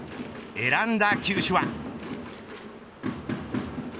選んだ球種は。